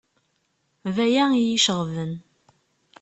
D aya iyi-iceɣben.